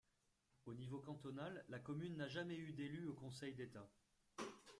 Au niveau cantonal, la commune n'a jamais eu d'élus au conseil d'état.